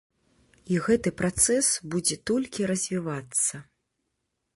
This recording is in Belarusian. І гэты працэс будзе толькі развівацца.